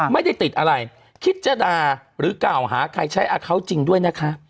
ไม่ได้ติดอะไรคิดจะด่าหรือกล่าวหาใครใช้อาเขาจริงด้วยนะคะ